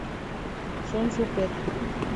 Son súper.